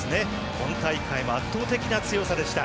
今大会も圧倒的な強さでした。